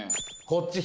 こっち